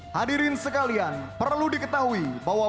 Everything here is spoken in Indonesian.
hadirin sekalian perlu diketahui bahwa